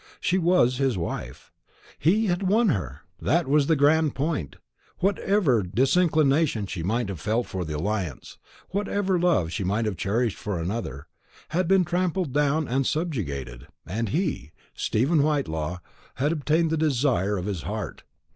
She was his wife. He had won her, that was the grand point; whatever disinclination she might have felt for the alliance, whatever love she might have cherished for another, had been trampled down and subjugated, and he, Stephen Whitelaw, had obtained the desire of his heart.